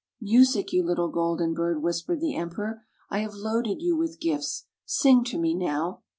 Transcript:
" Music, you little golden bird," whis pered the Emperor. " I have loaded you with gifts. Sing to me now."